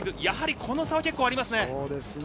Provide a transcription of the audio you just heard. やはり、この差は結構ありますね。